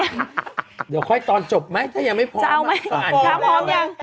เดี๋ยวค่อยตอนจบไหมถ้ายังไม่พร้อมจะเอาไหมก่อนเช้าพร้อมยัง